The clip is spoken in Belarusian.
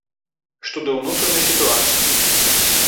Што да ўнутранай сітуацыі.